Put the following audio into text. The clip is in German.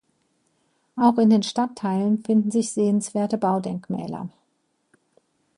Auch in den Stadtteilen finden sich sehenswerte Baudenkmäler.